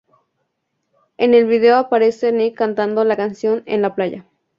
En el vídeo aparece Nick cantando la canción en la playa.